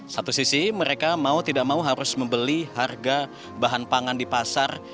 satu sisi mereka mau tidak mau harus membeli harga bahan pangan di pasar